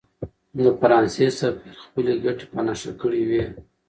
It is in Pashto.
د فرانسې سفیر خپلې ګټې په نښه کړې وې.